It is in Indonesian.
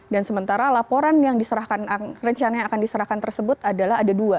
dan sementara laporan yang diserahkan rencana yang akan diserahkan tersebut adalah ada dua